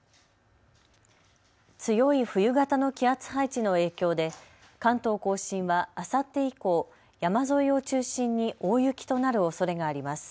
強い冬型の気圧配置の影響で関東甲信はあさって以降、山沿いを中心に大雪となるおそれがあります。